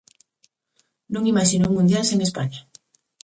Non imaxino un mundial sen España.